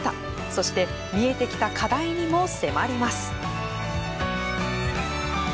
そして見えてきた課題にも迫ります。